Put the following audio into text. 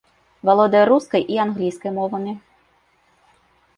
Валодае рускай і англійскай мовамі.